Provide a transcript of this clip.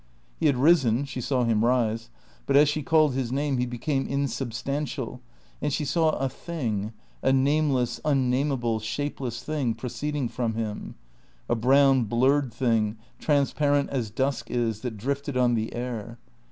He had risen (she saw him rise), but as she called his name he became insubstantial, and she saw a Thing, a nameless, unnameable, shapeless Thing, proceeding from him. A brown, blurred Thing, transparent as dusk is, that drifted on the air.